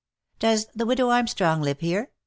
" Does the widow Armstrong live here?"